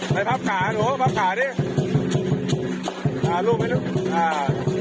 ให้ภาพก่าหนูภาพก่าดิอ่าลูกไหมลูกอ่า